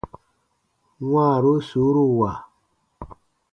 Wãaru suuruwa.